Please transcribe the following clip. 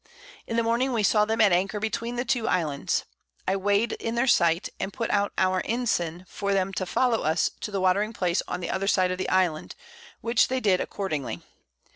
In the Morning we saw them at Anchor between the 2 Islands. I weigh'd in their sight, and put out our Ensign for 'em to follow us to the Watering Place on the other side of the Island, which they did accordingly.